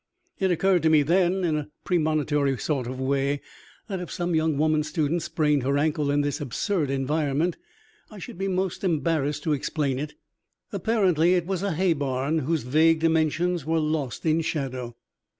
It occurred to me then, in a premonitory sort of way, that if some young woman student sprained her ankle in this absurd environment, I should be most embarrassed to explain it. Apparently it was a hay barn, whose vague dimensions were lost in shadow.